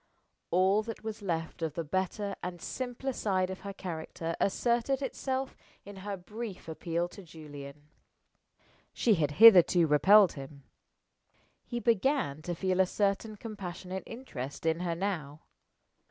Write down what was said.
All that was left of the better and simpler side of her character asserted itself in her brief appeal to Julian. She had hitherto repelled him. He began to feel a certain compassionate interest in her now.